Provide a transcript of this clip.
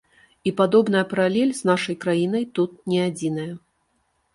І падобная паралель з нашай краінай тут не адзіная.